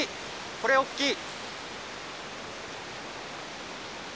これおっきい！